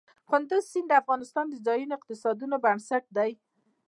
کندز سیند د افغانستان د ځایي اقتصادونو بنسټ دی.